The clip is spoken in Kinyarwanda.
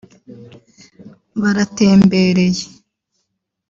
baratembereye